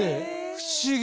不思議。